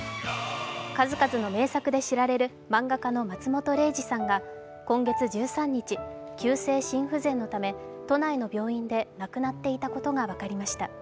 数々の名作で知られる漫画家の松本零士さんが今月１３日、急性心不全のため都内の病院で亡くなっていたことが分かりました。